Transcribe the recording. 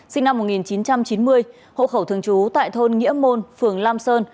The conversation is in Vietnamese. sinh năm một nghìn chín trăm chín mươi hậu khẩu thường chú tại thôn nghĩa môn phường lam sơn